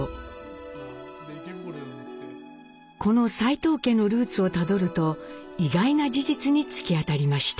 この齋藤家のルーツをたどると意外な事実に突き当たりました。